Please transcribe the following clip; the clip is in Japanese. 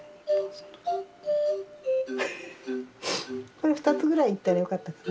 これ２つぐらいいったらよかったかな。